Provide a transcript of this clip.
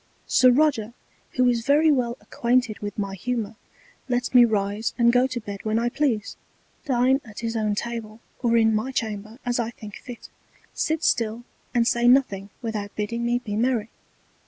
Sir Roger, who is very well acquainted with my Humour, lets me rise and go to Bed when I please, dine at his own Table or in my Chamber as I think fit, sit still and say nothing without bidding me be merry.